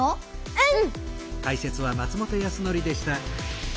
うん。